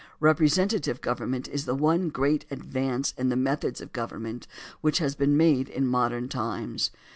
Representative government is the one great advance in the methods of government which has been made in modern times.